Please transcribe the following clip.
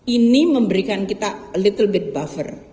ini memberikan kita little bit buffer